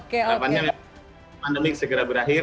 harapannya pandemi segera berakhir